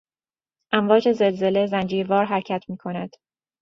امواج زلزله زنجیروار حرکت میکند.